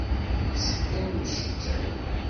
Yessefk ad nemmecčaw.